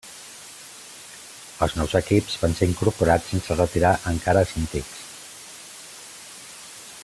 Els nous equips van ser incorporats sense retirar encara els antics.